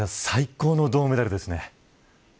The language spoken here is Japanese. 最高の銅メダルですね。